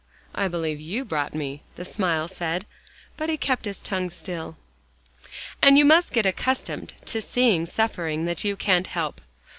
"I believe you brought me," the smile said. But he kept his tongue still. "And you must get accustomed to seeing suffering that you can't help.